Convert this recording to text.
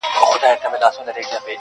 نه یې غوږ وو پر ښکنځلو پر جنګونو-